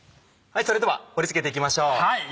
それでは盛り付けていきましょう。